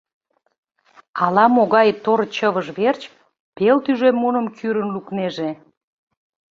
Ала-могай тор чывыж верч пел тӱжем муным кӱрын лукнеже.